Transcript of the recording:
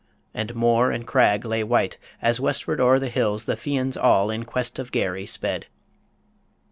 And moor and crag lay white, As westward o'er the hills the Fians all In quest of Garry sped.